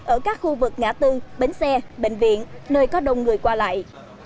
ở các khu vực ngã tư bến xe bệnh viện nơi có đông người qua lại